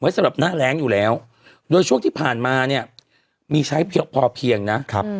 สำหรับหน้าแรงอยู่แล้วโดยช่วงที่ผ่านมาเนี่ยมีใช้พอเพียงนะครับ